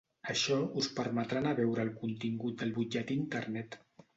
Això us permetrà anar a veure el contingut del butlletí a Internet.